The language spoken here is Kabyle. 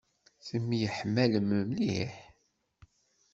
Temyiḥmalem mliḥ?